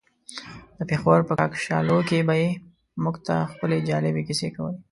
د پېښور په کاکشالو کې به يې موږ ته خپلې جالبې کيسې کولې.